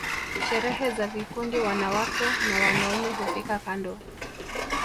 sherehe za vikundi wanawake na wanaume hufika kando